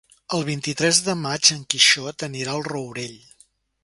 El vint-i-tres de maig en Quixot anirà al Rourell.